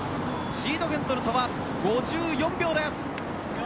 シード権との差は５４秒です。